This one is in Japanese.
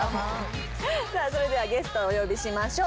さあそれではゲストをお呼びしましょう。